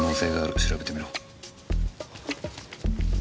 調べてみろ。